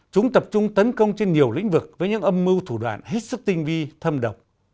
chúng tấn công trên nhiều lĩnh vực với những âm mưu thủ đoạn hết sức tinh vi thâm độc